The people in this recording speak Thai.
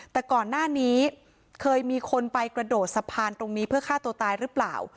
แต่ก่อนหน้านี้เคยมีคนไปกระโดดสะพานตรงนี้เพื่อฆ่าตัวตายหรือเปล่า